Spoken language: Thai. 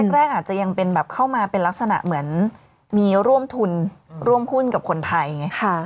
แรกอาจจะยังเป็นแบบเข้ามาเป็นลักษณะเหมือนมีร่วมทุนร่วมหุ้นกับคนไทยไง